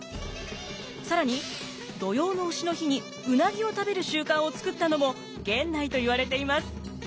更に土用の丑の日にウナギを食べる習慣を作ったのも源内といわれています。